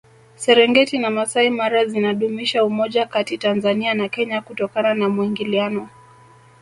serengeti na masai mara zinadumisha umoja Kati tanzania na kenya kutokana na muingiliano